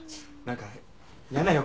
何か？